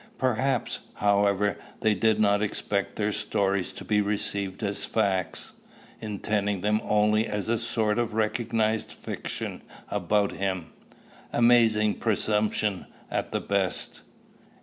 Perhaps, however, they did not expect their stories to be received as facts, intending them only as a sort of recognized fiction about him, amazing presumption at the best."